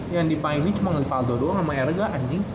yang dipain ini cuma ngefaldo doang sama erga anjing